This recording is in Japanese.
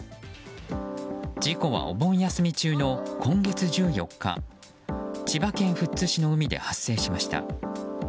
事故はお盆休み中の今月１４日千葉県富津市の海で発生しました。